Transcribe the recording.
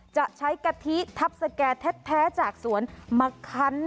จะใช้กะทิทัพสแก่แท้จากสวนมาคัน